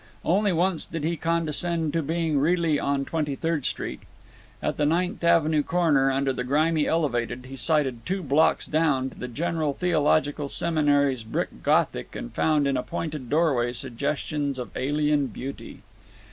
Only once did he condescend to being really on Twenty third Street. At the Ninth Avenue corner, under the grimy Elevated, he sighted two blocks down to the General Theological Seminary's brick Gothic and found in a pointed doorway suggestions of alien beauty.